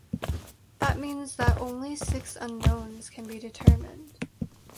That means that only six unknowns can be determined.